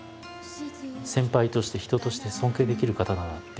先輩として人として尊敬できる方だなっていう。